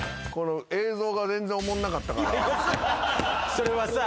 それはさ。